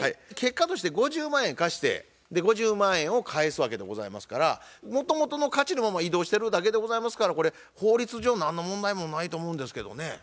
結果として５０万円貸して５０万円を返すわけでございますからもともとの価値のまま移動してるだけでございますからこれ法律上何の問題もないと思うんですけどね。